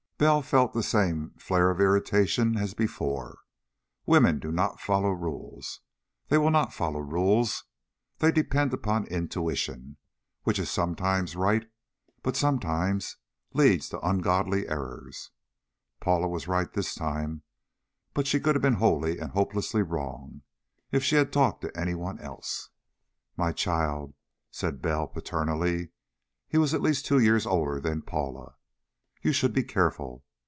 Bell felt the same flare of irritation as before. Women do not follow rules. They will not follow rules. They depend upon intuition, which is sometimes right, but sometimes leads to ungodly errors. Paula was right this time, but she could have been wholly and hopelessly wrong. If she had talked to anyone else.... "My child," said Bell paternally he was at least two years older than Paula "you should be careful.